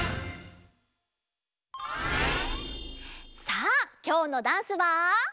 さあきょうのダンスは。